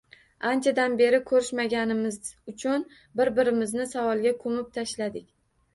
Anchadan beri ko`rishmaganimiz uchun bir-birimizni savolga ko`mib tashladik